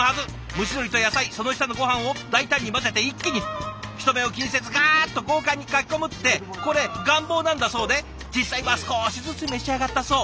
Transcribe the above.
蒸し鶏と野菜その下のごはんを大胆に混ぜて一気に人目を気にせずガーッと豪快にかき込むってこれ願望なんだそうで実際は少しずつ召し上がったそう。